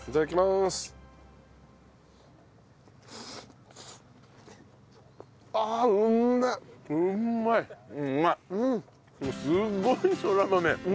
すっごいそら豆。